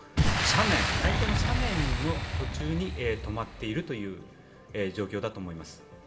海底の斜面の途中に止まっている状況だと思います。